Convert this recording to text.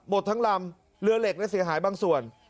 หมดทั้งลำเรือเหล็กและเสียหายบางส่วน